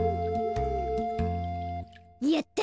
やった！